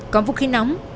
có vũ khí nóng